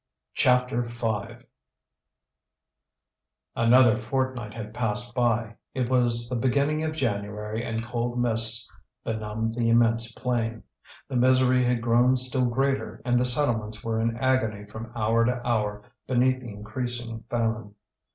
CHAPTER V Another fortnight had passed by. It was the beginning of January and cold mists benumbed the immense plain. The misery had grown still greater, and the settlements were in agony from hour to hour beneath the increasing famine.